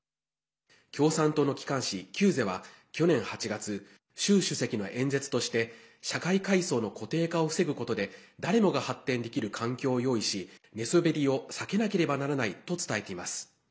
共産党の機関誌「求是」は去年８月習主席の演説として社会階層の固定化を防ぐことで誰もが発展できる環境を用意し寝そべりを避けなければならないと伝えています。